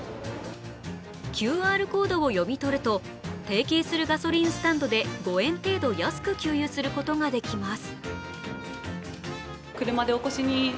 ＱＲコードを読み取ると提携するガソリンスタンドで５円程度安く給油することができます。